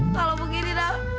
kalau begini dah